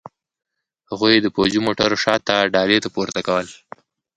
هغوی یې د پوځي موټر شاته ډالې ته پورته کول